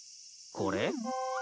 これ？